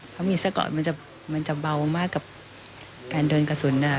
เพราะมีเสื้อก่อนมันจะเบามากกับการโดนกระสุน